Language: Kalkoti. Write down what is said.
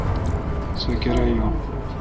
سو کیرا یون۔